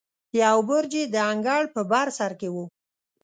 یو برج یې د انګړ په بر سر کې و.